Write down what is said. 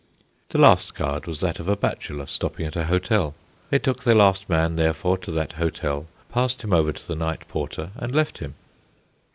The last card was that of a bachelor stopping at an hotel. They took their last man, therefore, to that hotel, passed him over to the night porter, and left him.